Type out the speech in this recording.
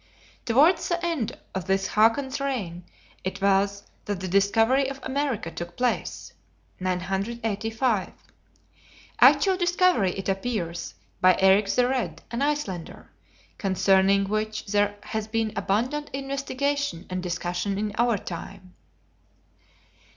Towards the end of this Hakon's reign it was that the discovery of America took place (985). Actual discovery, it appears, by Eric the Red, an Icelander; concerning which there has been abundant investigation and discussion in our time.